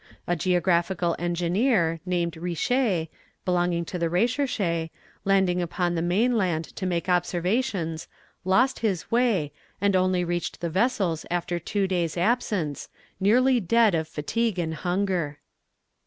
A geographical engineer, named Riche, belonging to the Recherche, landing upon the mainland to make observations, lost his way, and only reached the vessels after two days' absence, nearly dead of fatigue and hunger.